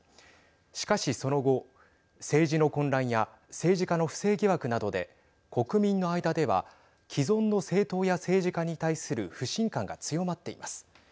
しかし、その後政治の混乱や政治家の不正疑惑などで国民の間では既存の政党や政治家に対する不信感が強まっています。